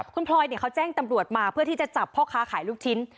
คุณพลอยเขาแจ้งตำรวจมาเพื่อที่จะจับพ่อค้าขายลูกชิ้น